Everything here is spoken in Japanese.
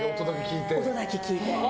音だけ聞いて。